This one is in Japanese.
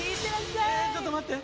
えっちょっと待って。